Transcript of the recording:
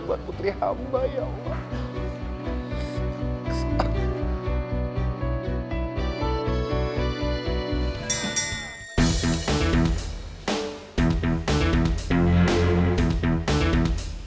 ya udah biar gue sama sindi